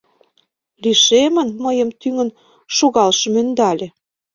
Лишемын, мыйым, тӱҥын шогалшым, ӧндале.